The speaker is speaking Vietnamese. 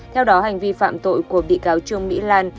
theo đó hành vi phạm tội của bị cáo trương mỹ lan